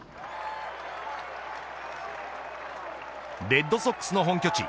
レッドソックスの本拠地